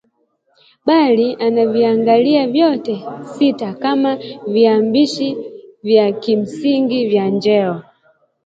bali anaviangalia vyote sita kama viambishi vya kimsingi vya njeo